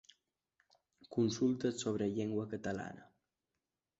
Consultes sobre llengua catalana.